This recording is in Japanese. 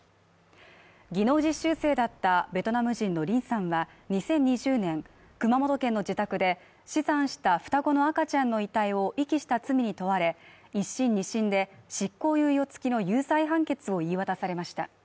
技能実習生だったベトナム人のリンさんは２０２０年熊本県の自宅で死産した双子の赤ちゃんの遺体を遺棄した罪に問われ１審・２審で執行猶予付きの有罪判決を言い渡されました。